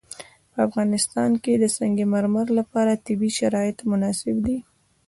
په افغانستان کې د سنگ مرمر لپاره طبیعي شرایط مناسب دي.